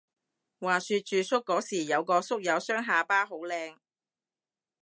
話說住宿嗰時有個宿友雙下巴好靚